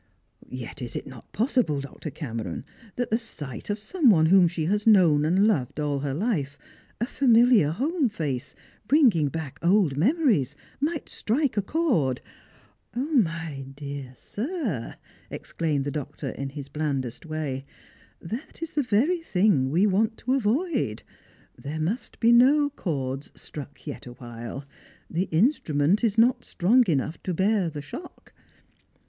" Yet is it not just possible, Dr. Cameron, that the sight of some one whom she has known and loved all her life— a famihar home face, bringing back old memories— might strike a chord "" My dear sir," exclaimed the doctor in his blandest way, "that is the very thing we want to avoid; there must be no chords struck yet awhile, the instrument is not strong enough to bear the shock.